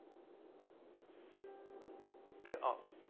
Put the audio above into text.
えっあっ